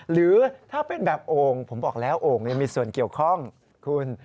หรือถ้าเป็นแบบโอ่งผมบอกแล้วโอ่งมีส่วนเกี่ยวข้องคุณ